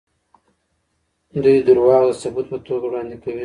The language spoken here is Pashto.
دوی دروغ د ثبوت په توګه وړاندې کوي.